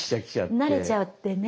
慣れちゃってね。